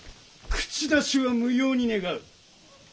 口出しは無用に願う。